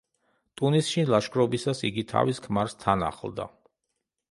ტუნისში ლაშქრობისას იგი თავის ქმარს თან ახლდა.